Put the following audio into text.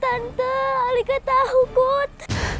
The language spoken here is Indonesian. tante alika tahu kot